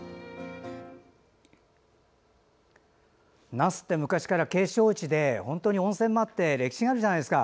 那須って昔から景勝地で本当に温泉もあって歴史があるじゃないですか。